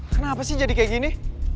kenapa sih jadi kayak gini